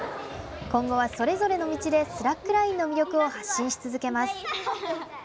今後はそれぞれの道でスラックラインの魅力を発信し続けます。